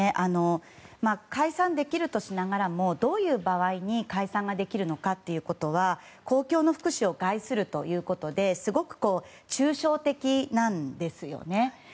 解散できるとしながらもどういう場合に解散ができるのかということは公共の福祉を害するということですごく抽象的なんですよね。